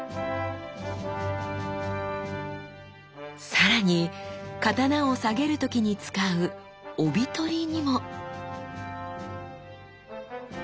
さらに刀を下げる時に使う帯執にも！